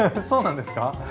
そうなんですか？